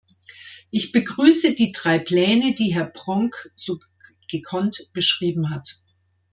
Ich begrüße die drei Pläne, die Herr Pronk so gekonnt beschrieben hat.